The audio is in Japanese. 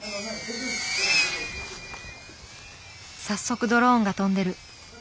早速ドローンが飛んでる。